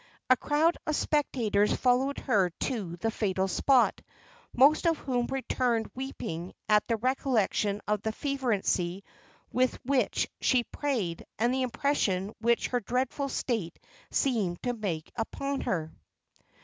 A crowd of spectators followed her to the fatal spot, most of whom returned weeping at the recollection of the fervency with which she prayed, and the impression which her dreadful state seemed to make upon her."